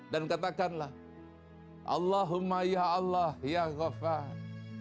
dan katakanlah allahumma ya allah ya ghaffar